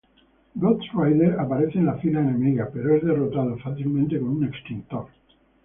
Ghost Rider aparece en las filas enemigas, pero es derrotado fácilmente con un extintor.